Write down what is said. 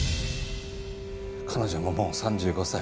彼女ももう３５歳。